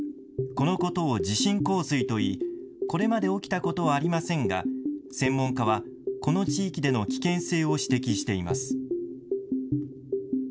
このことを地震洪水と言い、これまで起きたことはありませんが専門家もこの地域での危険性を指摘しています。